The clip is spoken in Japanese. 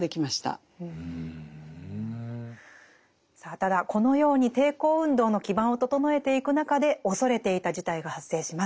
ただこのように抵抗運動の基盤を整えていく中で恐れていた事態が発生します。